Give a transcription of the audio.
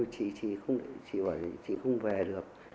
chị bảo chị không về được